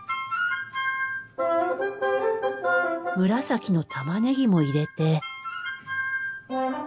紫のたまねぎも入れて。